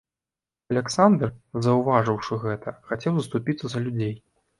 Аляксандр, заўважыўшы гэта, хацеў заступіцца за людзей.